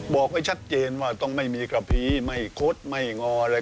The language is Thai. บอกไว้ชัดเจนว่าต้องไม่มีกระพีไม่คดไม่งออะไร